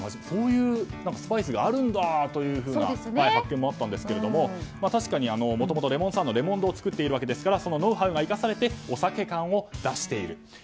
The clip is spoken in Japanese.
そういうスパイスがあるんだというような発見もあったんですが確かにもともとレモンサワーの檸檬堂を作っているわけですからそのノウハウが生かされてお酒感を出していると。